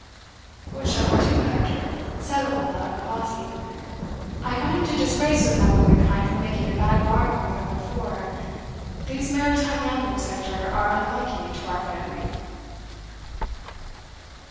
"What shall we do, Hector?" said Oldbuck, pausing: "I got into disgrace with my womankind for making a bad bargain with her before. These maritime animals, Hector, are unlucky to our family."